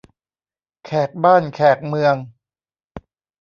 แขกบ้านแขกเมือง